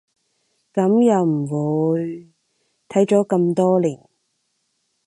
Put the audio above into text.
噉又唔會，睇咗咁多年